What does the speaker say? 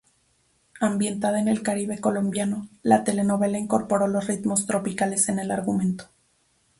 Ambientada en el Caribe colombiano, la telenovela incorporó los ritmos tropicales en el argumento.